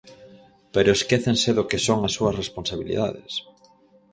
Pero esquécense do que son as súas responsabilidades.